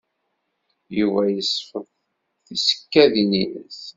Yuba yesfeḍ tisekkadin-nnes.